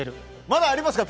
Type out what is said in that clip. まだありますか？